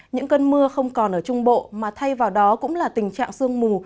những cơn mưa không còn ở trung bộ mà thay vào đó cũng là tình trạng sương mù